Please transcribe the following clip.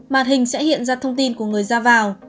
màn hình sẽ hiện ra thông tin của người ra vào